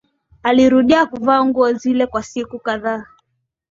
Alirudia kuvaa nguo zile kwa siku kadhaa